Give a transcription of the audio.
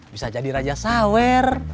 bisa jadi raja sawer